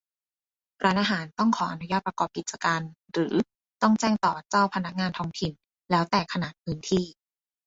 ร้านอาหารต้องขออนุญาตประกอบกิจการหรือต้องแจ้งต่อเจ้าพนักงานท้องถิ่น แล้วแต่ขนาดพื้นที่